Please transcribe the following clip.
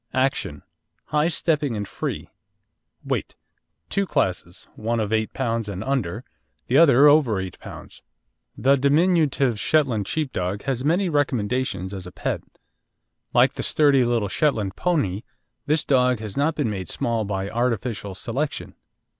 ACTION High stepping and free. WEIGHT Two classes, one of 8 lb. and under, the other over 8 lb. The diminutive Shetland Sheepdog has many recommendations as a pet. Like the sturdy little Shetland pony, this dog has not been made small by artificial selection.